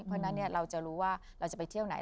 เพราะฉะนั้นเราจะรู้ว่าเราจะไปเที่ยวไหน